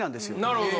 なるほど。